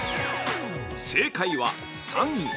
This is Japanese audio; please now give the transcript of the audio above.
◆正解は３位。